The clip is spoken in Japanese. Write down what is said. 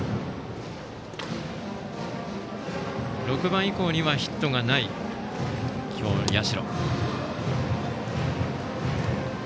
６番以降にはヒットがない今日の社。